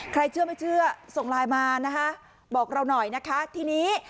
เชื่อไม่เชื่อส่งไลน์มานะคะบอกเราหน่อยนะคะทีนี้